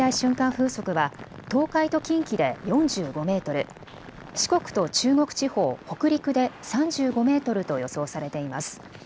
風速は東海と近畿で４５メートル、四国と中国地方、北陸で３５メートルと予想されています。